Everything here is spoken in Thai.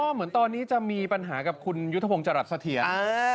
เหมือนตอนนี้จะมีปัญหากับคุณยุทธพงศ์จรัสเถียร